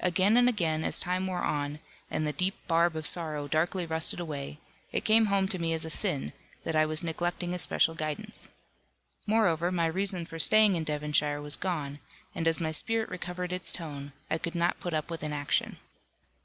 Again and again, as time wore on, and the deep barb of sorrow darkly rusted away, it came home to me as a sin, that I was neglecting a special guidance. Moreover, my reason for staying in Devonshire was gone, and as my spirit recovered its tone, it could not put up with inaction.